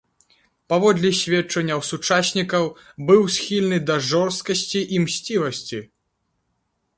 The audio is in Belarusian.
Паводле сведчанняў сучаснікаў, быў схільны да жорсткасці і мсцівасці.